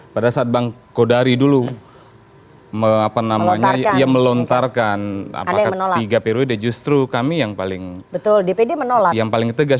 pada saat bang kodari dulu melontarkan apakah tiga periode justru kami yang paling tegas